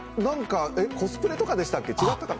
コスプレとかでしたっけ？